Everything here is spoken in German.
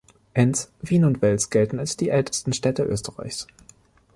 Enns, Wien und Wels gelten als die ältesten Städte Österreichs.